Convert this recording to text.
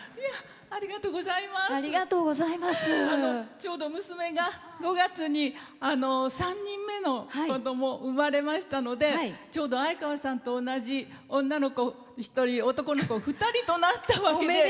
ちょうど娘が５月に３人目の子供生まれましたのでちょうど相川さんと同じ女の子１人男の子２人となったわけで。